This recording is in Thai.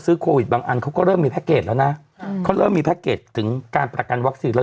ซื้อโควิดบางอันเขาก็เริ่มมีแล้วน่ะเขาเริ่มมีถึงการประกันวัคซีนแล้ว